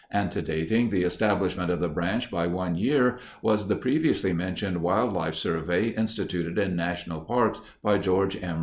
Antedating the establishment of the branch by one year was the previously mentioned wildlife survey instituted in national parks by George M.